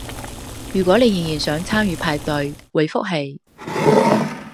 如果你仍然想參與派對，回覆係